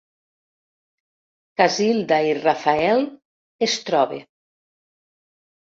Casilda i Rafael es trobe.